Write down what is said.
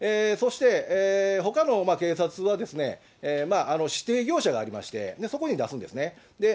そして、ほかの警察は指定業者がありまして、そこに出すんですね。